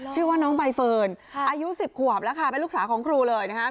ชื่อว่าน้องใบเฟิร์นอายุ๑๐ขวบแล้วค่ะเป็นลูกสาวของครูเลยนะครับ